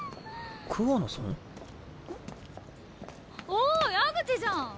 おお矢口じゃん！